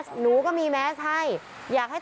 เป็นลุคใหม่ที่หลายคนไม่คุ้นเคย